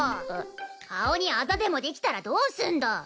顔にあざでもできたらどうすんだ！